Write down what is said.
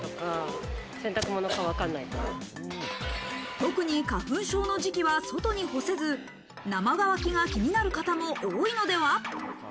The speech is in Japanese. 特に花粉症の時期は外に干せず、生乾きが気になる方も多いのでは。